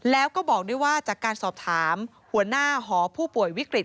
แล้วก็บอกด้วยว่าจากการสอบถามหัวหน้าหอผู้ป่วยวิกฤต